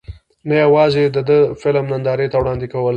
نۀ يواځې د دې فلم نندارې ته وړاندې کول